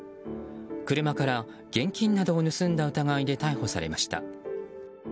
車から現金などを盗んだ疑いで逮捕されました。